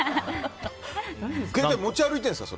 携帯を持ち歩いてるんですか？